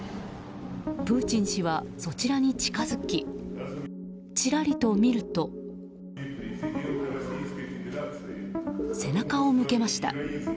プーチン氏はそちらに近づきちらりと見ると背中を向けました。